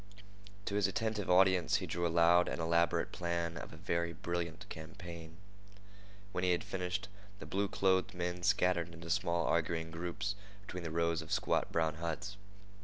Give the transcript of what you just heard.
To his attentive audience he drew a loud and elaborate plan of a very brilliant campaign. When he had finished, the blue clothed men scattered into small arguing groups between the rows of squat brown huts.